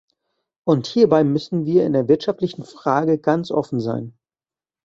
Und hierbei müssen wir in der wirtschaftlichen Frage ganz offen sein.